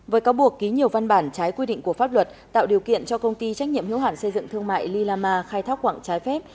với cáo buộc ký nhiều văn bản trái quy định của pháp luật tạo điều kiện cho công ty trách nhiệm hữu hạn xây dựng thương mại lilama khai thác quảng trái phép